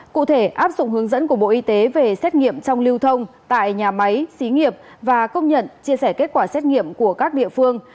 cụ thể áp dụng hướng dẫn của bộ y tế về xét nghiệm trong lưu thông tại nhà máy xí nghiệp và công nhận chia sẻ kết quả xét nghiệm của các địa phương